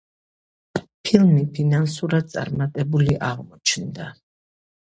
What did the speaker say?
ფილმი ფინანსურად წარმატებული აღმოჩნდა.